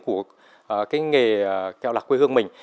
của cái nghề kẹo lạc quê hương mình